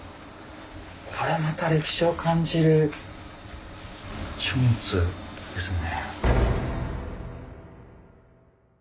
これまた歴史を感じる書物ですね。